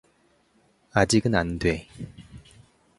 아직은 안 돼.